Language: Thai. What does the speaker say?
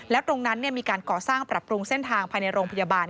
แล้วตรงนั้นมีการก่อสร้างปรับปรุงเส้นทางภายในโรงพยาบาล